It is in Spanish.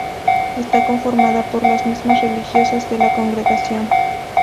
Está conformada por las mismas religiosas de la congregación.